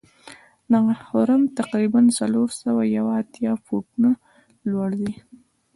دغه هرم تقریبآ څلور سوه یو اتیا فوټه لوړ دی.